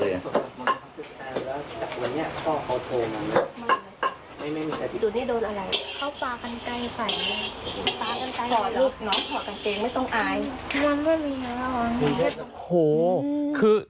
โอ้โหคือ